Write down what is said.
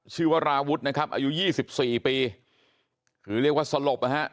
ชื่อว่าราวุฒินะครับอายุ๒๔ปีหรือเรียกว่าสลบนะครับ